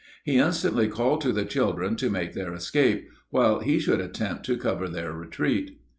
He instantly called to the children to make their escape, while he should attempt to cover their retreat.